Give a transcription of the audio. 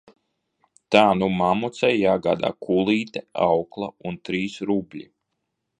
Tā nu mammucei jāgādā kulīte, aukla un trīs rubļi.